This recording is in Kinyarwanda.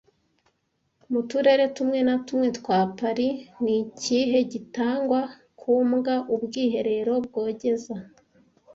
Mu turere tumwe na tumwe twa Paris ni iki gitangwa ku mbwa Ubwiherero bwogeza